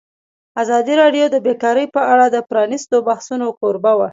ازادي راډیو د بیکاري په اړه د پرانیستو بحثونو کوربه وه.